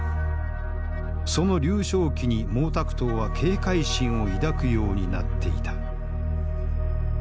その劉少奇に毛沢東は警戒心を抱くようになっていた。